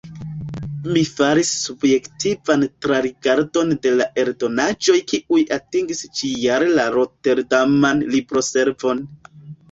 Mi faris subjektivan trarigardon de la eldonaĵoj kiuj atingis ĉi-jare la roterdaman libroservon.